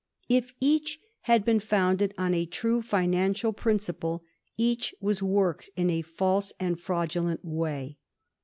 If each had been founded on a true financial principle, each was worked in a false and firaudulent way.